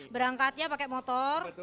berangkatnya pakai motor